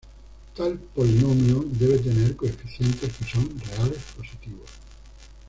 Tal polinomio debe tener coeficientes que son reales positivos.